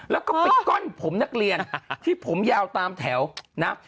แล้วก็ไปก้อนผมนักเรียนที่ผมยาวตามแถวนะ